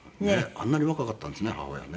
あんなに若かったんですね母親ね。